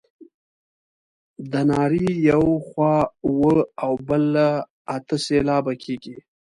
د نارې یوه خوا اووه او بله اته سېلابه کیږي.